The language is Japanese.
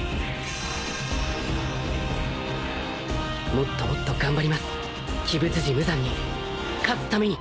「もっともっと頑張ります」「鬼舞辻無惨に勝つために」